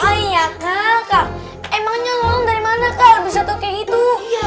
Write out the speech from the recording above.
hai ya kakak emangnya lo dari mana kalau bisa tuh kayak itu